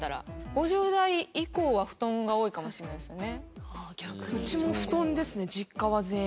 ５０代以降は布団が多いかもしれないですね。